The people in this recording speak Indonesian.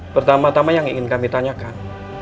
pertama tama yang ingin kami tanyakan